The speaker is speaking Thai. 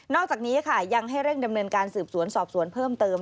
อกจากนี้ค่ะยังให้เร่งดำเนินการสืบสวนสอบสวนเพิ่มเติม